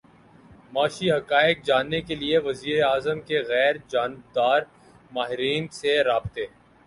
معاشی حقائق جاننے کیلیے وزیر اعظم کے غیر جانبدار ماہرین سے رابطے